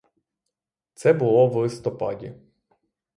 Це було в листопаді.